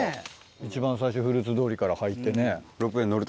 一番最初フルーツ通りから入ってね。